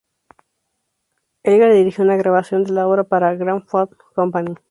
Elgar dirigió una grabación de la obra para la Gramophone Company.